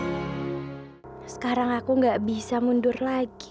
hai sekarang aku nggak bisa mundur lagi